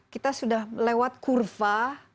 kita sudah lewat kurva